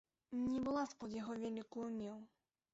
Нібы ласку ад яго вялікую меў.